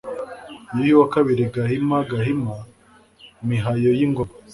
YUHI II GAHIMA Gahima, Mihayo y'ingoma,